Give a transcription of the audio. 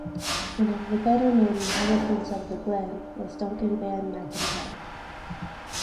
One of the better known inhabitants of the glen was Duncan Ban MacIntyre.